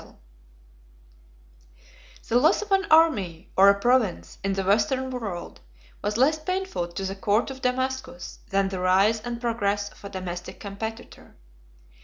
] The loss of an army, or a province, in the Western world, was less painful to the court of Damascus, than the rise and progress of a domestic competitor.